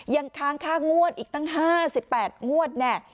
ยังค้างค่างวดอีกตั้ง๕๘งวดเนี่ย